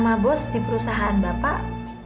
nama bos di perusahaan bapak